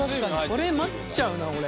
これ待っちゃうな俺。